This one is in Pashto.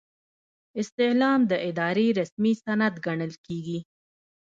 استعلام د ادارې رسمي سند ګڼل کیږي.